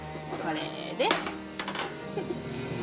これです